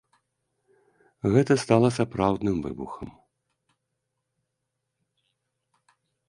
Гэта стала сапраўдным выбухам.